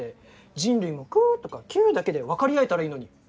人類も「クー」とか「キュー」だけでわかり合えたらいいのに。